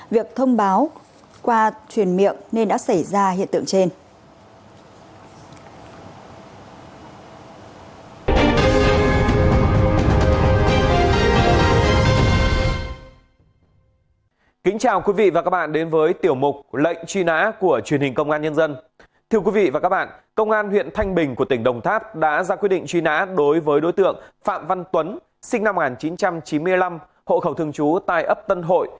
việc thông báo qua truyền miệng nên đã xảy ra hiện tượng trên